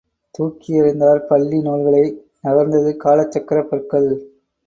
தூக்கி எறிந்தார் பள்ளி நூல்களை நகர்ந்தது காலச் சக்கரப் பற்கள்.